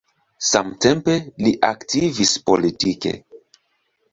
Samtempe, li aktivis politike.